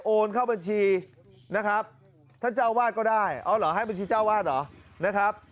โอนเข้าบัญชีนะครับท่านเจ้าวาดก็ได้อ๋อเหรอให้บัญชีเจ้าวาดเหรอนะครับ